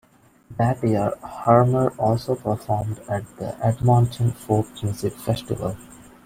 That year Harmer also performed at the Edmonton Folk Music Festival.